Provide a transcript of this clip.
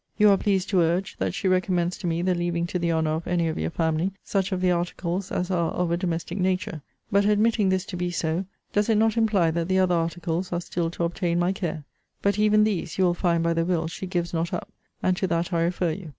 You are pleased to urge, that she recommends to me the leaving to the honour of any of your family such of the articles as are of a domestic nature. But, admitting this to be so, does it not imply that the other articles are still to obtain my care? But even these, you will find by the will, she gives not up; and to that I refer you.